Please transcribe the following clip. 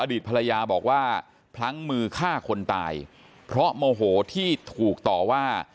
อดีตภรรยาบอกว่าพลั้งมือฆ่าคนตายเพราะโมโหที่ถูกต่อว่า